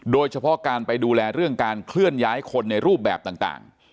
โดยเฉพาะการไปดูแลเรื่องการเคลื่อนย้ายคนในรูปแบบต่าง